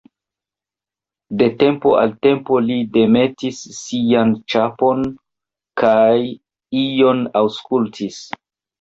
De tempo al tempo li demetis sian ĉapon kaj ion aŭskultis.